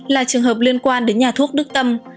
là trường hợp liên quan đến nhà thuốc đức tâm